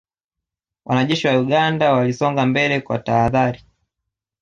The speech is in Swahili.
Wanajeshi wa Uganda walisonga mbele kwa tahadhari